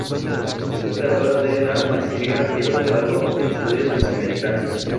Fue creadora de la maestría y doctorado en Estudios Mesoamericanos.